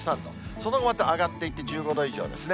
その後また上がっていって、１５度以上ですね。